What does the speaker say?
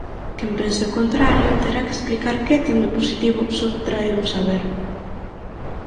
Quen pense o contrario terá que explicar qué ten de positivo subtraer un saber.